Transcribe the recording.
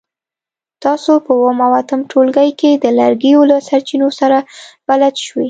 تاسو په اووم او اتم ټولګي کې د لرګیو له سرچینو سره بلد شوي.